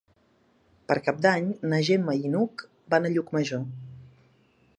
Per Cap d'Any na Gemma i n'Hug van a Llucmajor.